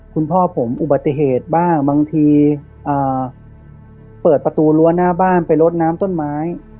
คุณพ่อผมอุบัติเหตุบ้างบางทีเปิดประตูรั้วหน้าบ้านไปลดน้ำต้นไม้